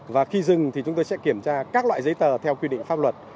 và khi dừng thì chúng tôi sẽ kiểm tra các loại giấy tờ theo quy định pháp luật